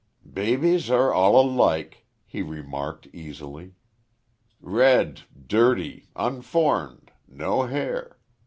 "Babies are all alike," he remarked, easily. "Red, dirty, unformed, no hair....